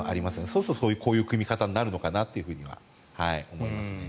そうするとこういう組み方になるのかなと思いますね。